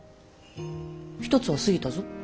１つはすぎたぞ。